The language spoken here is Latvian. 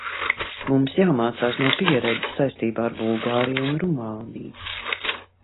Mums jāmācās no pieredzes saistībā ar Bulgāriju un Rumāniju.